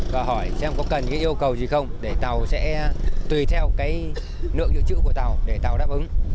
và hỏi xem có cần yêu cầu gì không để tàu sẽ tùy theo cái lượng dự trữ của tàu để tàu đáp ứng